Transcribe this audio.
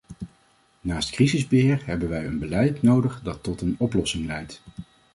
Naast crisisbeheer hebben wij een beleid nodig dat tot een oplossing leidt.